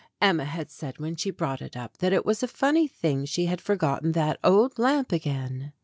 Emma had said when she brought it up 2 STORIES WITHOUT TEARS that it was a funny thing she had forgotten that old lamp again.